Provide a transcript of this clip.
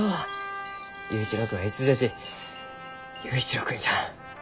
佑一郎君はいつじゃち佑一郎君じゃ。